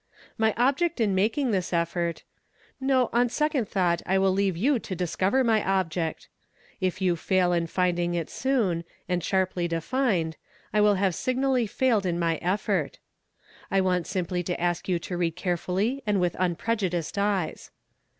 My object in making this effort — no, on second thought I will leave you to discover my object. If you fail in finding it soon, and sharply defined, I shall have signally failed in my effort. I want simply to ask you to read carefully and with unprejudiced eyes.